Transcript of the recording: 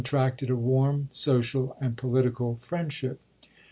tracted a warm social and political friendship.